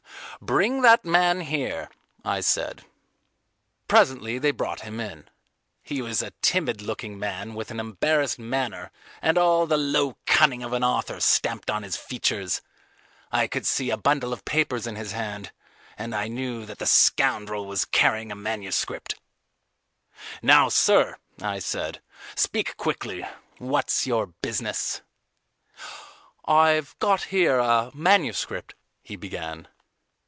"Bring that man here," I said. Presently they brought him in. He was a timid looking man with an embarrassed manner and all the low cunning of an author stamped on his features. I could see a bundle of papers in his hand, and I knew that the scoundrel was carrying a manuscript. "Now, sir," I said, "speak quickly. What's your business?" "I've got here a manuscript," he began.